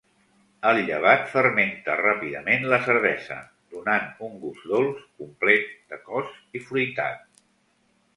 El llevat fermenta ràpidament la cervesa, donant un gust dolç, complet de cos i fruitat.